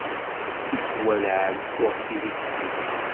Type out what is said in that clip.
Tikwal εeyyuɣ deg tikli.